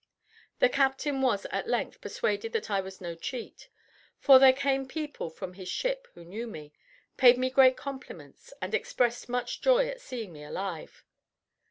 The captain was at length persuaded that I was no cheat; for there came people from his ship who knew me, paid me great compliments, and expressed much joy at seeing me alive.